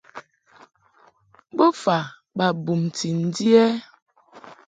Bofa ba bumti ndi ɛ?